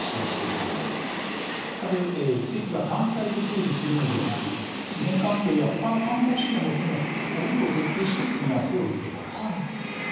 まず遺跡は単体で整備するのではなく自然環境や、他の観光資源も含めルートを設定して組み合わせを見てもらう。